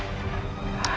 apakah di antara kita